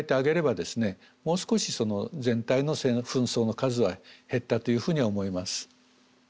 もう少し全体の紛争の数は減ったというふうには思います。